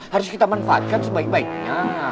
harus kita manfaatkan sebaik baiknya